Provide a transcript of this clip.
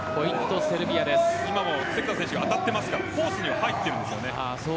今も関田選手当たっていますからコースには入っていますよね。